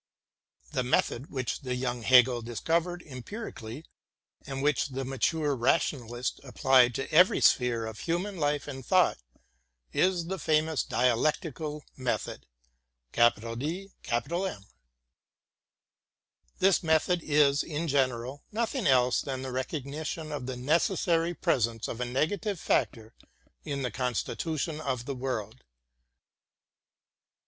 The method which the young Hegel discovered empiric ally, and which the mature rationalist applied to every sphere of human life and thought, is the famous Dialectical Method. This method is, in general, nothing else than the recognition of the necessary presence of a negative factor in the constitution of the world.